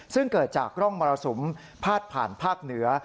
ซึ่งเกิดจากร่องมรสุมพาดผ่านภาคเหนือ